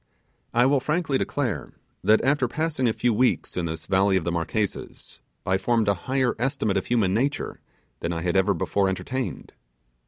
I will frankly declare that after passing a few weeks in this valley of the Marquesas, I formed a higher estimate of human nature than I had ever before entertained.